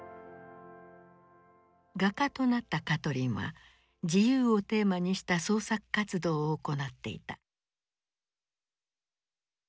画家となったカトリンは「自由」をテーマにした創作活動を行っていた。